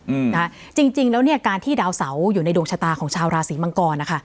อืมนะคะจริงจริงแล้วเนี้ยการที่ดาวเสาอยู่ในดวงชะตาของชาวราศีมังกรนะคะ